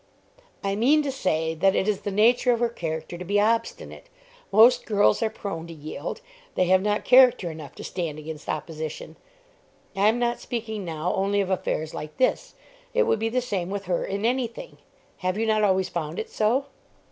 "I mean to say that it is the nature of her character to be obstinate. Most girls are prone to yield. They have not character enough to stand against opposition. I am not speaking now only of affairs like this. It would be the same with her in any thing. Have you not always found it so?"